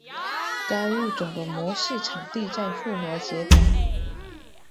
该物种的模式产地在复活节岛。